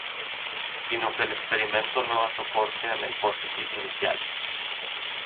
Sino que el experimento no da soporte a la hipótesis inicial.